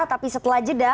tapi setelah jeda